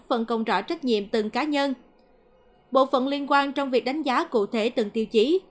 phân công rõ trách nhiệm từng cá nhân bộ phận liên quan trong việc đánh giá cụ thể từng tiêu chí